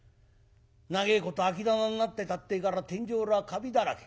長えこと空き店んなってたってえから天井裏はカビだらけ。